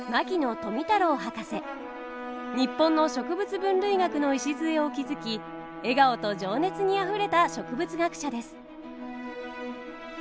日本の植物分類学の礎を築き笑顔と情熱にあふれた植物学者です。